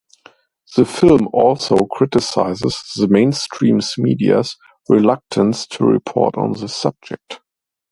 The film also criticizes the mainstream media's reluctance to report on this subject.